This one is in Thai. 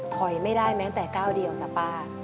ไม่ได้แม้แต่ก้าวเดียวจ้ะป้า